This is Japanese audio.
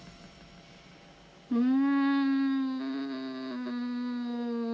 うん。